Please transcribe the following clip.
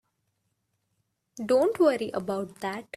Don't worry about that.